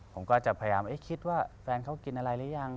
ผมก็จะพยายามคิดว่าแฟนเขากินอะไรหรือยัง